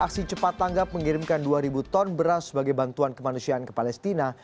aksi cepat tanggap mengirimkan dua ribu ton beras sebagai bantuan kemanusiaan ke palestina